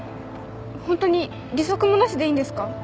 本当に利息もなしでいいんですか？